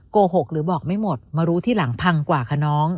โกหกหรือบอกไม่หมดมารู้ทีหลังพังกว่าค่ะน้อง